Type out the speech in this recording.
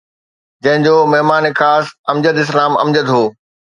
جنهن جو مهمان خاص امجد اسلام امجد هو